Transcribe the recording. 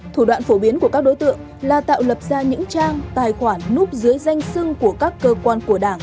thủ đoạn phổ biến của các đối tượng là tạo lập ra những trang tài khoản núp dưới danh sưng của các cơ quan của đảng